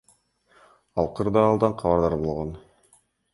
Ал кырдаалдан кабардар болгон.